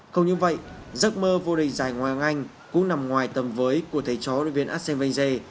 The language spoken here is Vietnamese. không như vậy giấc mơ vô địch giải ngoài ngang anh cũng nằm ngoài tầm với của thầy chó đội viên arsene wenger